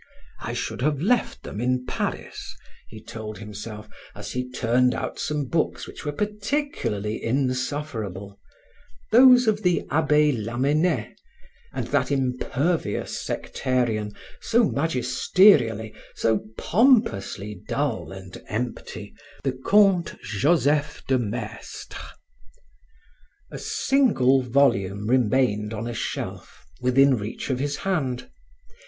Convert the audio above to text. "I should have left them in Paris," he told himself, as he turned out some books which were particularly insufferable: those of the Abbe Lamennais and that impervious sectarian so magisterially, so pompously dull and empty, the Comte Joseph de Maistre. A single volume remained on a shelf, within reach of his hand.